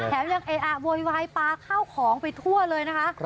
แถวนี้โวยวายปลาเข้าของไปทั่วเลยนะคะ